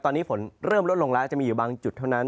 ตอนนี้ฝนเริ่มลดลงแล้วจะมีอยู่บางจุดเท่านั้น